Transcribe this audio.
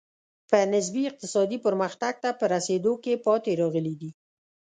په نسبي اقتصادي پرمختګ ته په رسېدو کې پاتې راغلي دي.